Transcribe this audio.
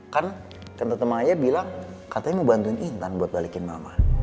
kan teman teman ayah bilang katanya mau bantuin intan buat balikin mama